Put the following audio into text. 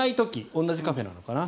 同じカフェなのかな。